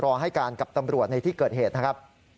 ให้การกับตำรวจในที่เกิดเหตุนะครับ